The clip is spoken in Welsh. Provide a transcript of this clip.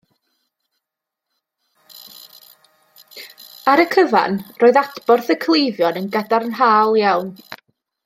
Ar y cyfan, roedd adborth y cleifion yn gadarnhaol iawn